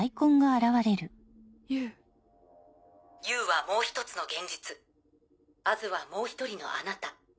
Ｕはもう１つの現実Ａｓはもう１人のあなた。